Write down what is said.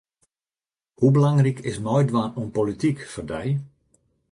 Hoe belangryk is meidwaan oan polityk foar dy?